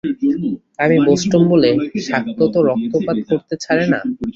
আমি বোষ্টম বলে শাক্ত তো রক্তপাত করতে ছাড়ে না।